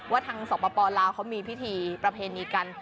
ทางสปลาวเขามีพิธีประเพณีกัน